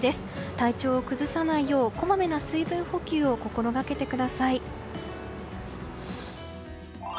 体調を崩さないようこまめな水分補給を心がけてください。